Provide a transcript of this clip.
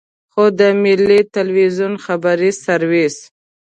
خو د ملي ټلویزیون خبري سرویس.